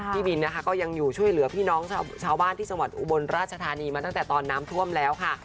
พี่บินนะคะก็ยังอยู่ช่วยเหลือพี่น้องชาวบ้านที่จังหวัดอุบลราชธานีมาตั้งแต่ตอนน้ำท่วมแล้วค่ะ